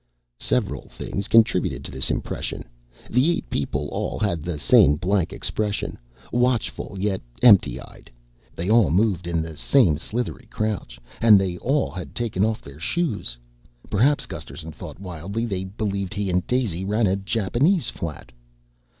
Several things contributed to this impression. The eight people all had the same blank expression watchful yet empty eyed. They all moved in the same slithery crouch. And they had all taken off their shoes. Perhaps, Gusterson thought wildly, they believed he and Daisy ran a Japanese flat.